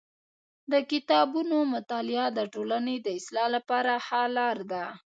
د کتابونو مطالعه د ټولني د اصلاح لپاره ښه لار ده.